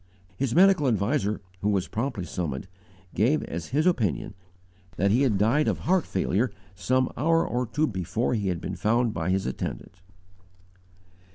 His medical adviser, who was promptly summoned, gave as his opinion that he had died of heart failure some hour or two before he had been found by his attendant.